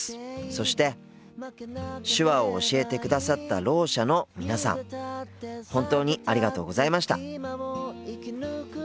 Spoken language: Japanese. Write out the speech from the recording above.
そして手話を教えてくださったろう者の皆さん本当にありがとうございました。